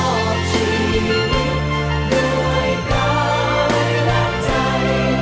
พอชีวิตด้วยกายและใจ